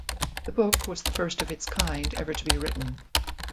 The book was the first of its kind ever to be written.